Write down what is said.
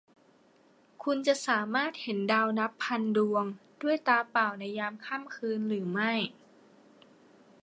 คุณจะสามารถเห็นดาวนับพันดวงด้วยตาเปล่าในยามค่ำคืนหรือไม่ ?